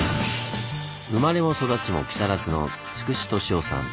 生まれも育ちも木更津の筑紫敏夫さん。